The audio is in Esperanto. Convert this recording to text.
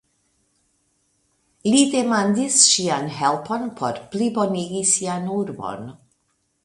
Li demandis ŝian helpon por plibonigi sian urbon.